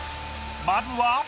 まずは。